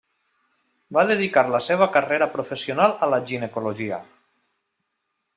Va dedicar la seva carrera professional a la ginecologia.